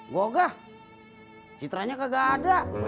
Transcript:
goga citra nya kagak ada